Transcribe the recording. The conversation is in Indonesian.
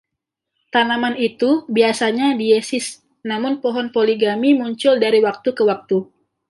Tanaman itu biasanya diesis, namun pohon poligami muncul dari waktu ke waktu.